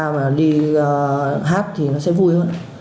mà đi hát thì nó sẽ vui hơn